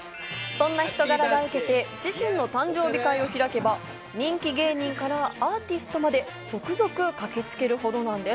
そんな人柄が受けて自身の誕生日会を開けば人気芸人からアーティストまで続々駆けつけるほどなんです。